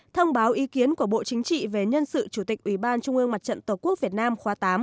thông báo ý kiến của bộ chính trị về nhân sự chủ tịch ủy ban trung ương mặt trận tổ quốc việt nam khóa tám